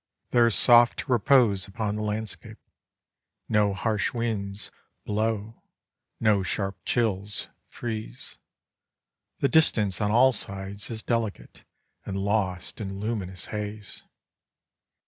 There is soft repose upon the landscape. No harsh winds blow, no sharp chills freeze. The distance on all sides is delicate and lost in luminous haze.